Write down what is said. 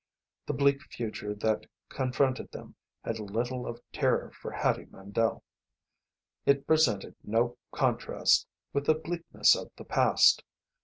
The bleak future that confronted them had little of terror for Hattie Mandle. It presented no contrast with the bleakness of the past.